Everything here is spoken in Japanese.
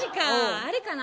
あれかな？